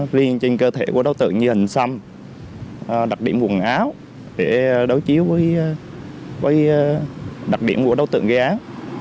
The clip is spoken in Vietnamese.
riêng trên cơ thể của đối tượng như hình xăm đặc điểm quần áo để đối chiếu với đặc điểm của đối tượng gây án